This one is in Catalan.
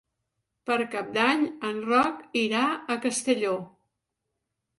Per Cap d'Any en Roc irà a Castelló.